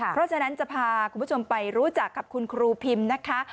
เพราะฉะนั้นจะพาคุณผู้ชมไปรู้จักกับคุณครูพิมพ์นะคะ